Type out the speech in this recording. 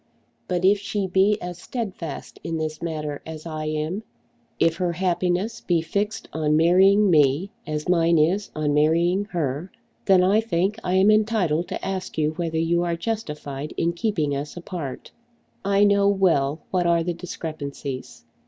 But if she be as steadfast in this matter as I am, if her happiness be fixed on marrying me as mine is on marrying her, then, I think, I am entitled to ask you whether you are justified in keeping us apart. I know well what are the discrepancies.